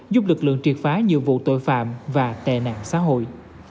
giúp lực lượng triệt phá nhiều vụ tội phạm và tệ nạn xã hội